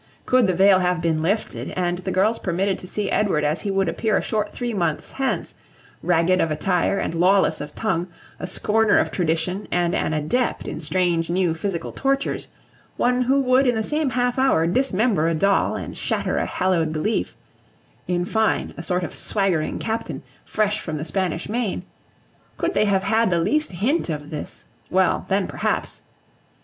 Could the veil have been lifted, and the girls permitted to see Edward as he would appear a short three months hence, ragged of attire and lawless of tongue, a scorner of tradition and an adept in strange new physical tortures, one who would in the same half hour dismember a doll and shatter a hallowed belief, in fine, a sort of swaggering Captain, fresh from the Spanish Main, could they have had the least hint of this, well, then perhaps